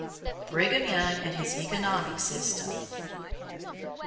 _Brigham Young and His Economic System.